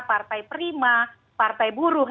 partai prima partai buruh